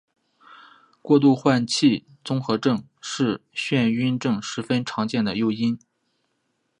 过度换气综合症是晕眩症十分常见的诱因。